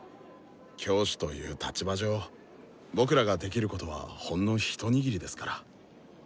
教師という立場上僕らができることはほんの一握りですから。